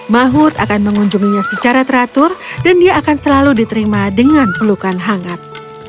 mahut akan mengunjunginya secara teratur dan dia akan selalu diterima dengan pelukan hangat